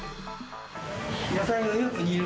野菜をよく煮る。